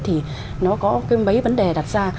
thì nó có mấy vấn đề đặt ra